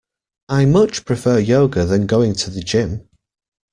I much prefer yoga than going to the gym